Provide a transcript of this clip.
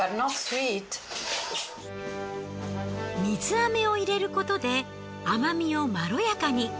水飴を入れることで甘みをまろやかに。